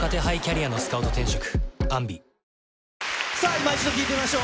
今一度聞いてみましょう。